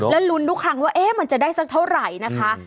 แล้วลุ้นทุกครั้งว่ามันจะได้สักเท่าไหร่นะคะ